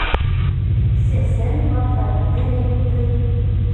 Сәсән барҙа телең тый